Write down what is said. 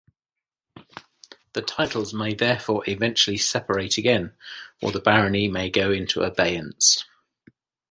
The titles may therefore eventually separate again, or the barony may go into abeyance.